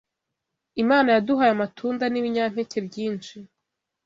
Imana yaduhaye amatunda n’ibinyampeke byinshi